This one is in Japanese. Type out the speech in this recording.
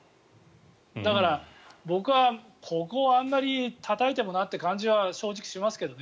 だから、僕はここをあんまりたたいてもなって感じは正直しますけどね。